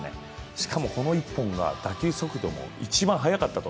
しかもこの１本が打球速度が１番速かったと。